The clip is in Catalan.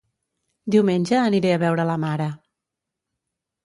Diumenge aniré a veure la mare